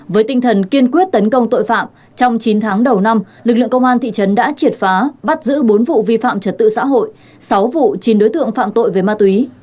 với tinh thần kiên quyết tấn công tội phạm trong chín tháng đầu năm lực lượng công an thị trấn đã triệt phá bắt giữ bốn vụ vi phạm trật tự xã hội sáu vụ chín đối tượng phạm tội về ma túy